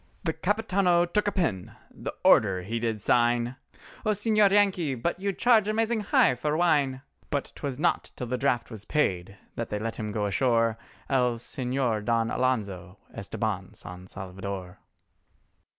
The Capitano took a pen—the order he did sign, "O Señor Yankee!—but you charge amazing high for wine!" But 'twas not till the draft was paid they let him go ashore, El Señor Don Alonzo Estabán San Salvador.